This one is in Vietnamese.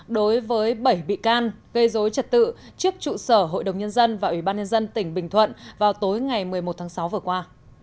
đối với bảy bị can gây dối trật tự trước trụ sở hội đồng nhân dân và ủy ban nhân dân tỉnh bình thuận vào tối ngày một mươi một tháng sáu vừa qua